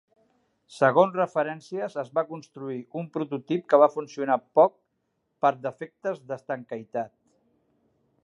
Segons referències es va construir un prototip que va funcionar poc per defectes d'estanquitat.